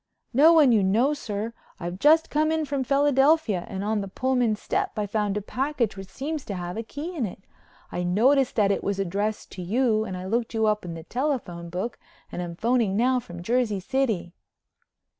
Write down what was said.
"No one you know, sir. I've just come in from Philadelphia and on the Pullman step I found a package which seems to have a key in it. I noticed that it was addressed to you and I looked you up in the telephone book and am phoning now from Jersey City."